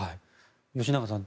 吉永さん